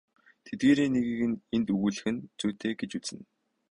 Тэдгээрийн нэгийг энд өгүүлэх нь зүйтэй гэж үзнэ.